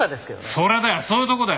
それだよそういうとこだよ！